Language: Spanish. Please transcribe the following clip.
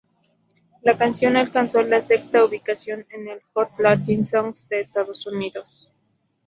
La canción alcanzó la sexta ubicación en el Hot Latin Songs de Estados Unidos.